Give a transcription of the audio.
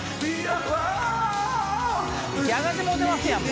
息が上がってもうてますやん。